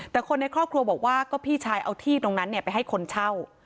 แต่คนในครอบครัวบอกว่าก็พี่ชายเอาที่ตรงนั้นไปให้คนเช่า